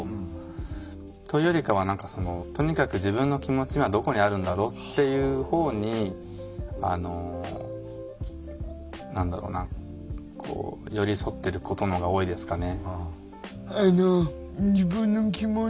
というよりかはとにかく自分の気持ち今どこにあるんだろうっていうほうにあの何だろうな寄り添ってることのほうが多いですかね。